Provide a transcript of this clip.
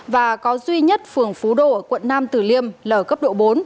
và có duy nhất phường phú đô ở quận năm tử liêm là ở cấp độ bốn